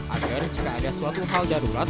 agar jika ada suatu hal darurat